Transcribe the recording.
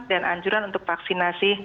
dan anjuran untuk vaksinasi